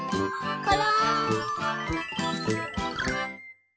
これ！